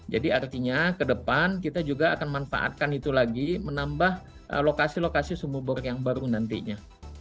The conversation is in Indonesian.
jadi artinya kedepan kita juga akan manfaatkan itu lagi menambah lokasi lokasi sumur bor yang baru nantinya